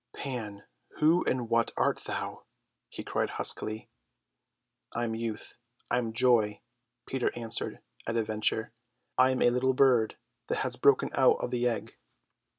"Pan, who and what art thou?" he cried huskily. "I'm youth, I'm joy," Peter answered at a venture, "I'm a little bird that has broken out of the egg."